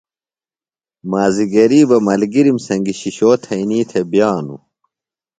مازِگریۡ بہ ملگِرِم سنگیۡ شِشو تھئینی تھےۡ بِیانوۡ۔